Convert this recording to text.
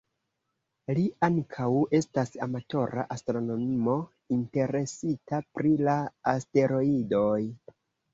Li ankaŭ estas amatora astronomo interesita pri la asteroidoj.